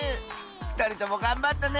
ふたりともがんばったね！